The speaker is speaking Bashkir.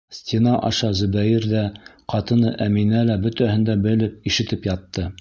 Стена аша Зөбәйер ҙә, ҡатыны Әминә лә бөтәһен дә белеп, ишетеп ятты.